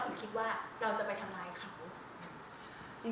คิดว่าเราจะไปทำร้ายเขา